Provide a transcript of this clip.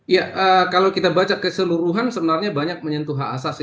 ya kalau kita baca keseluruhan sebenarnya banyak menyentuh hak asasi